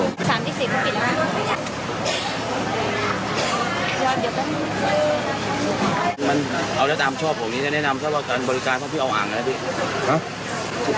มันเอาได้ตามชอบผมนี้จะแนะนำสำหรับการบริการต้องพี่เอาอ่างแล้วน่ะพี่